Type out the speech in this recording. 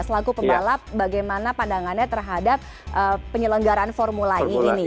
selaku pembalap bagaimana pandangannya terhadap penyelenggaran formula e ini